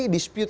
apa sih dispute